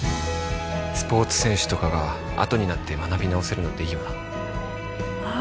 スポーツ選手とかがあとになって学び直せるのっていいよなあ